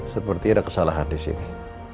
seperti ada kesalahan disini